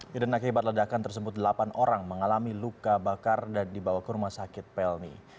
di renang hebat ledakan tersebut delapan orang mengalami luka bakar dan dibawa ke rumah sakit pelmi